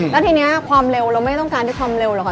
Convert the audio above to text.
แล้วทีนี้ความเร็วเราไม่ต้องการด้วยความเร็วหรอกค่ะ